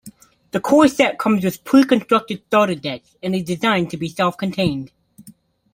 The core set comes with pre-constructed starter decks, and is designed to be self-contained.